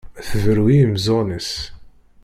Tberru i yimeẓẓuɣen-is.